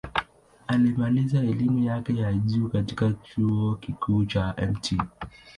Alimaliza elimu yake ya juu katika Chuo Kikuu cha Mt.